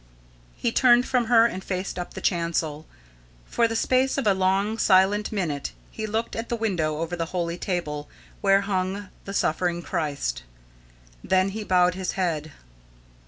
He turned from her and faced up the chancel. For the space of a long silent minute he looked at the window over the holy table, where hung the suffering Christ. Then he bowed his head.